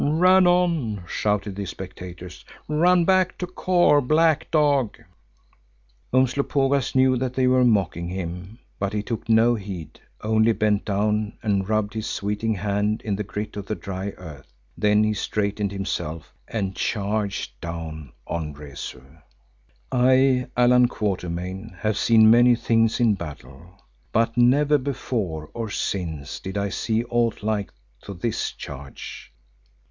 "Run on!" shouted the spectators. "Run back to Kôr, black dog!" Umslopogaas knew that they were mocking him, but he took no heed, only bent down and rubbed his sweating hand in the grit of the dry earth. Then he straightened himself and charged down on Rezu. I, Allan Quatermain, have seen many things in battle, but never before or since did I see aught like to this charge.